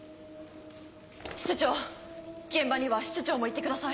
室長現場には室長も行ってください。